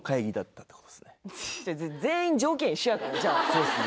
そうっすね